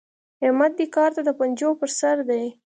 احمد دې کار ته د پنجو پر سر دی.